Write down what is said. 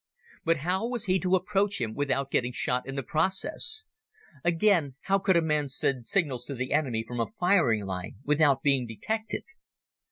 But how was he to approach him without getting shot in the process? Again, how could a man send signals to the enemy from a firing line without being detected?